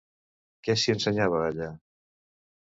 Què s'hi ensenyava allà?